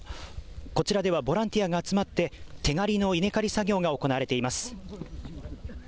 こちらではボランティアが集まって手刈りの稲刈り作業が行われています。